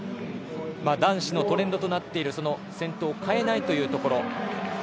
男子のトレンドとなっている先頭を変えないというところ。